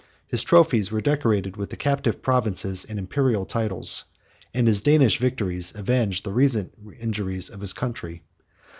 His trophies were decorated with captive provinces and Imperial titles; and his Danish victories avenged the recent injuries of his country.